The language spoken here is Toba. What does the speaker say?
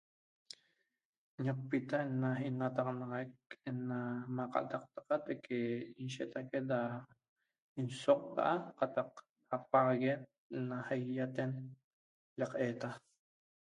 Ñoqpita da inataxanaxaq ena ma cadaqtaca teque inshetaque da insoc da apaxaguen na sasehiaten na cadaqtaca